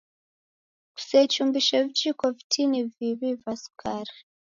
Kusechumbise vijiko vitini viw'i va sukari.